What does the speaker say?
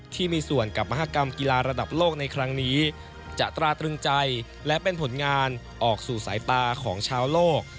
ที่มีส่วนกับมหากรรมกีฬาระดับโลกในครั้งนี้จะตราตรึงใจและเป็นผลงานออกสู่สายตาของชาวโลก